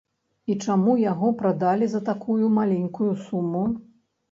І чаму яго прадалі за такую маленькую суму?